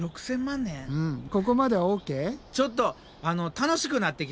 ちょっと楽しくなってきた。